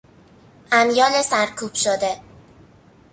امیال سرکوب شده